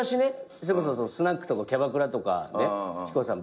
それこそスナックとかキャバクラとかでヒコさん